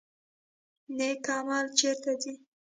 نیک عمل چیرته ځي؟